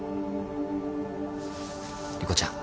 莉子ちゃん